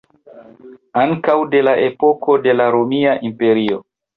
Ankaŭ de la epoko de la Romia Imperio.